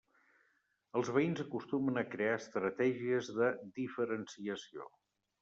Els veïns acostumen a crear estratègies de diferenciació.